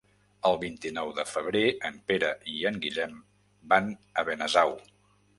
El vint-i-nou de febrer en Pere i en Guillem van a Benasau.